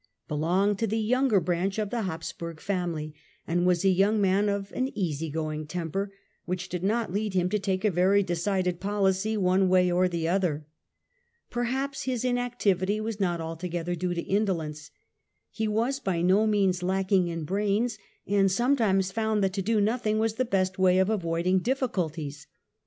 1440 belonged to the younger branch of the Habsburg family, and was a youDg man of an easy going temper, which did not lead him to take a very decided policy one way or the other. Perhaps his inactivity was not altogether due to indolence. He was by no means lacking in brains, and sometimes found that to do nothing was the best way of avoiding difficulties.